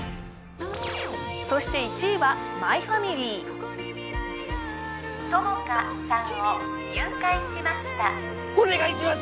そして１位は「マイファミリー」友果さんを誘拐しましたお願いします！